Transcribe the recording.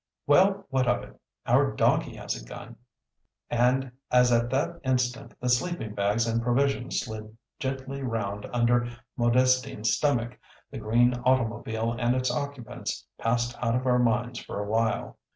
"Well, what of it? Our donkey has a gun." And as at that instant the sleeping bags and provisions slid gently round under Modestine's stomach, the green automobile and its occupants passed out of our minds for a while.